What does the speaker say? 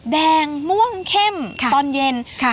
ดังม่วงเข้มค่ะตอนเย็นค่ะ